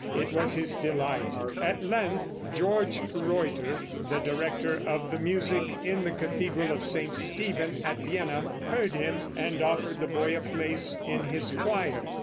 This was his delight. At length George Reutter, the director of the music in the cathedral of St. Stephen at Vienna, heard him, and offered the boy a place in his choir.